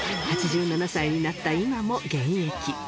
８７歳になった今も現役。